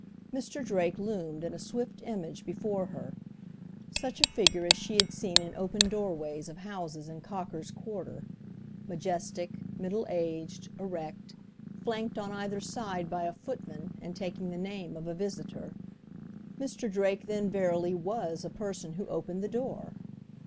Mr. Drake loomed, in a swift image, before her; such a figure as she had seen in open doorways of houses in Cocker's quarter—majestic, middle aged, erect, flanked on either side by a footman and taking the name of a visitor. Mr. Drake then verily was a person who opened the door!